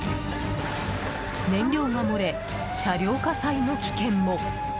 燃料が漏れ、車両火災の危険も。